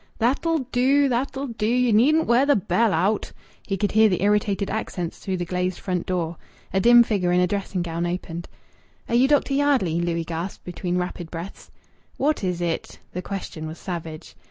"That'll do! That'll do! You needn't wear the bell out." He could hear the irritated accents through the glazed front door. A dim figure in a dressing gown opened. "Are you Dr. Yardley?" Louis gasped between rapid breaths. "What is it?" The question was savage.